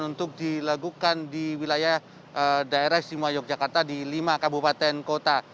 untuk dilakukan di wilayah daerah istimewa yogyakarta di lima kabupaten kota